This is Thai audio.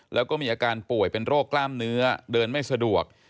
แล้วก็มีอาการป่วยเป็นโรคกล้ามเนื้อเดินไม่สะดวก